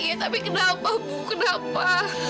eh tapi kenapa bu kenapa